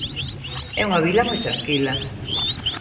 É unha vila moi tranquila.